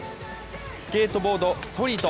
スケートボード・ストリート。